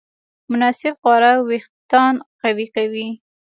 مناسب خوراک وېښتيان قوي کوي.